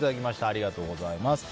ありがとうございます。